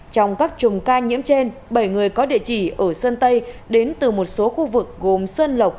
trong các chùm ca nhiễm trên bảy người có địa chỉ ở sơn tây đến từ một số khu vực gồm sơn lộc